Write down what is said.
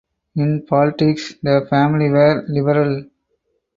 In politics the family were Liberal.